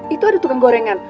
itu ada tukang gorengan